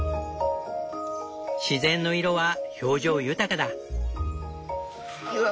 自然の色は表情豊かだ。